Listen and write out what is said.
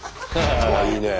あいいね。